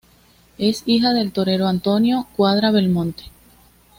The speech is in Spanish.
Es hija del torero Antonio Cuadra Belmonte.